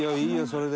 それで。